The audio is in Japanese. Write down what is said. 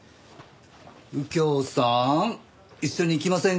右京さん一緒に行きませんか？